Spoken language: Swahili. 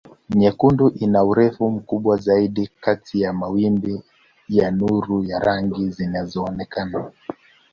Nyekundu ina urefu mkubwa zaidi kati ya mawimbi ya nuru ya rangi zinazoonekana.